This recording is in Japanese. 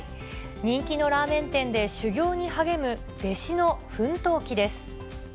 人気のラーメン店で修業に励む弟子の奮闘記です。